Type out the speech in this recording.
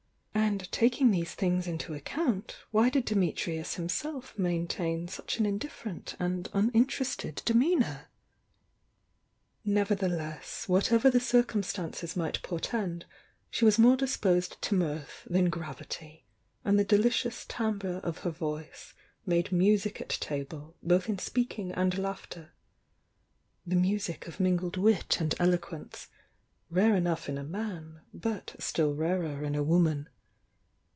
And taking these things into account, why did Dimitrius himself maintain such an indifferent and uninterested demeanour? ' Nevertheless, whatever the circumstances might portend, she was more disposed to mirth than grav ity, and the delicious timbre of her voice made music at table, both in speaking and laughter, — the music of mingled wit and eloquence, rare enough in a man, but still rarer in a woman.